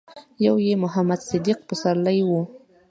يو يې محمد صديق پسرلی و.